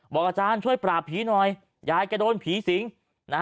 บอกอาจารย์ช่วยปราบผีหน่อยอย่าให้กระโดนผีสิงห์